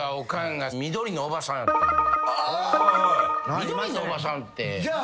緑のおばさんって。